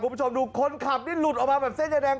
คุณผู้ชมดูคนขับนี่หลุดออกมาแบบเส้นจะแดง